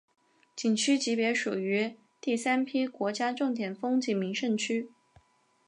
景区级别属于第三批国家重点风景名胜区。